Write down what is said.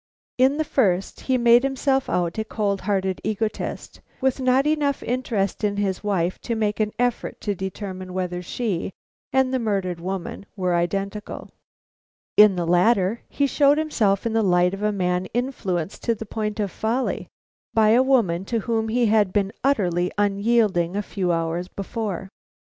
In the first, he made himself out a cold hearted egotist with not enough interest in his wife to make an effort to determine whether she and the murdered woman were identical; in the latter, he showed himself in the light of a man influenced to the point of folly by a woman to whom he had been utterly unyielding a few hours before.